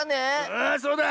⁉ああそうだ。